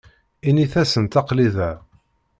Init-asent aql-i da.